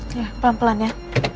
ya pelan pelan ya